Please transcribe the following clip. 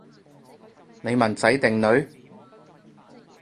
你問仔定女？